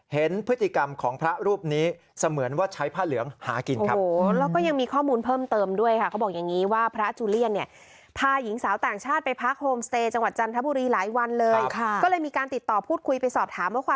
เห็นพฤติกรรมของพระรูปนี้เสมือนว่าใช้ผ้าเหลืองหากินครับ